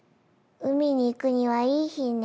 海に行くにはいい日ね。